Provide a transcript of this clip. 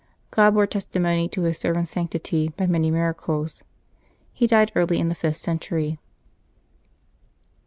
God bore testimony to His servant's sanctity by many miracles. He died early in the fifth century.